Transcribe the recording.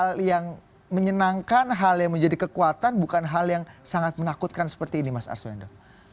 hal yang menyenangkan hal yang menjadi kekuatan bukan hal yang sangat menakutkan seperti ini mas arswendo